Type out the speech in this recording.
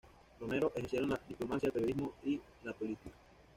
Romero, ejercieron la diplomacia, el periodismo y la política.